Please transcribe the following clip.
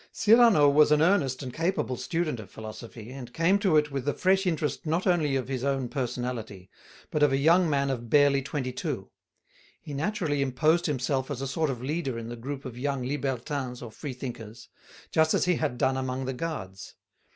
Cyrano was an earnest and capable student of philosophy, and came to it with the fresh interest not only of his own personality, but of a young man of barely twenty two; he naturally imposed himself as a sort of leader in the group of young "libertins" or free thinkers, just as he had done among the Guards.